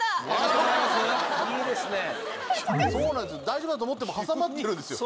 大丈夫だと思っても挟まってるんですよ。